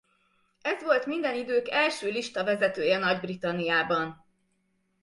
Ez volt minden idők első listavezetője Nagy-Britanniában.